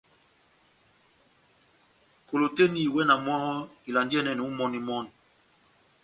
Kolo tɛ́h eni, iwɛ na mɔ́ ivalandi iyɛ́nɛ ó imɔni-imɔni.